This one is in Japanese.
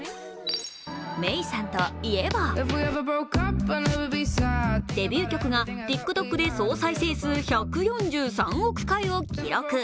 メイさんといえばデビュー曲がＴｉｋＴｏｋで総再生回数１４３億回を記録。